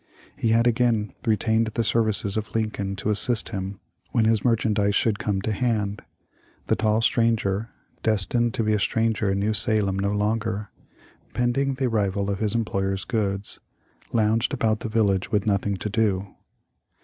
He had again retained the services of Lincoln to assist him when his merchandise should come to hand. The tall stranger — destined to be a stranger in New Salem no longer — pending the arrival of his employer's goods, lounged about the village with nothing to do.